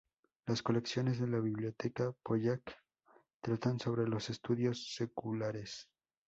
Las colecciones de la biblioteca Pollack tratan sobre los estudios seculares.